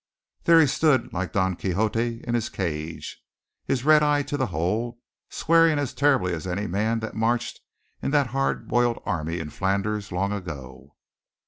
There he stood, like Don Quixote in his cage, his red eye to the hole, swearing as terribly as any man that marched in that hard boiled army in Flanders long ago.